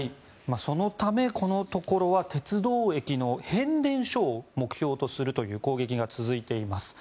そのため、このところは鉄道駅の変電所を目標とするという攻撃が続いています。